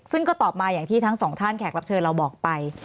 ซึ่งก็ตอบมาอย่างที่ทั้งสองท่านแขกรับเชิญเราบอกไป